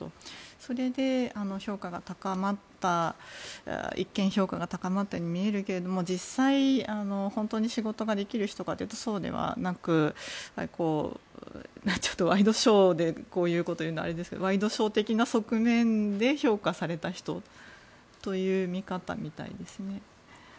それで評価が高まったように見えるけれども実際、本当に仕事ができる人かというとそうではなくちょっとワイドショーでこういうことを言うのはあれですがワイドショー的な側面で評価された人という見方みたいですね。